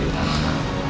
aku bisa pergi sama kamu